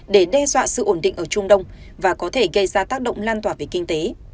để đe dọa sự ổn định ở trung đông và có thể gây ra tác động lan tỏa về kinh tế